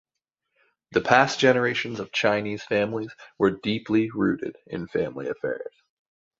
The past generations of Chinese families were deeply rooted in family affairs.